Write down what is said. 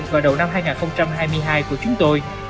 vào đầu năm hai nghìn hai mươi hai của chúng tôi